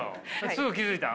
すぐ気付いた？